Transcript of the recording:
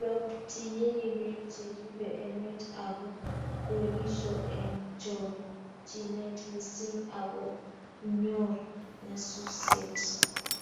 lobptyini biik cheribe emet ago kwerisho eng chokchinet missing ago nyoor nyasusiet